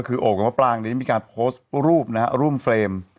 ก็คือโอปกับมาปรางเนี่ยมีการโพสต์รูปนะฮะรูมเฟรม